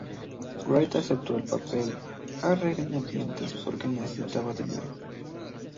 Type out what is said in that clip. White aceptó el papel a regañadientes porque necesitaba dinero.